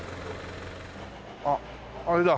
あっあれだ。